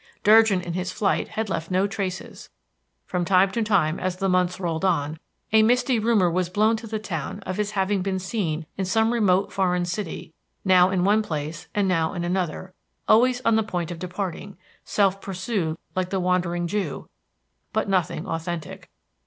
Durgin in his flight had left no traces. From time to time, as the months rolled on, a misty rumor was blown to the town of his having been seen in some remote foreign city, now in one place, and now in another, always on the point of departing, self pursued like the Wandering Jew; but nothing authentic.